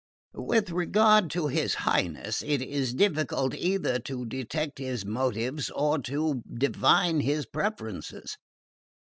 "With regard to his Highness, it is difficult either to detect his motives or to divine his preferences.